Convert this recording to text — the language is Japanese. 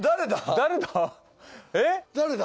誰だ？